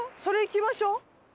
それ行きましょ。